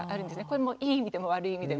これもいい意味でも悪い意味でも。